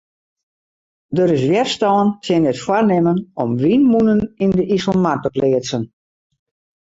Der is wjerstân tsjin it foarnimmen om wynmûnen yn de Iselmar te pleatsen.